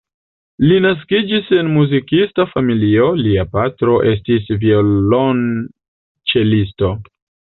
Li naskiĝis en muzikista familio, lia patro estis violonĉelisto.